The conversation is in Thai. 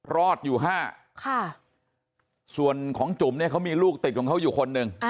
รอดอยู่๕ส่วนของจุ๋มเนี่ยเขามีลูกติดของเขาอยู่คนหนึ่ง